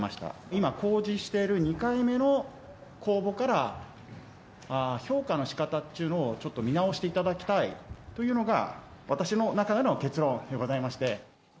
今、公示している２回目の公募から、評価のしかたっちゅうのを、ちょっと見直していただきたいというのが私の中での結論でございまして。